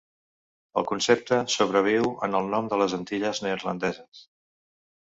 El concepte sobreviu en el nom de les Antilles Neerlandeses.